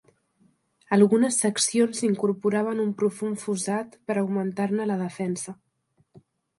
Algunes seccions incorporaven un profund fossat per augmentar-ne la defensa.